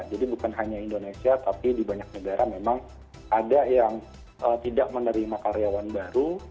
jadi bukan hanya indonesia tapi di banyak negara memang ada yang tidak menerima karyawan baru